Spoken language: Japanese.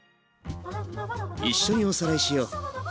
一緒におさらいしよう。